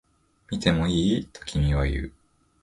見てもいい？と君は言う